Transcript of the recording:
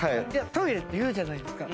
トイレって言うじゃないですか。